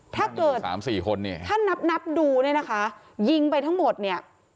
ถ้าเกิดสามสี่คนเนี่ยถ้านับนับดูเนี่ยนะคะยิงไปทั้งหมดเนี่ย